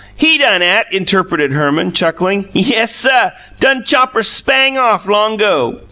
"HE done 'at," interpreted Herman, chuckling. "Yessuh; done chop 'er spang off, long 'go.